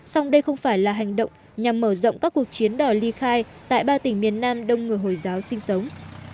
song đây không phải là hành động nhằm mở rộng các cuộc chiến đòi ly khai tại ba tỉnh miền nam đông người hồi giáo sinh sống